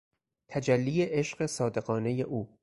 تجلی عشق صادقانهی او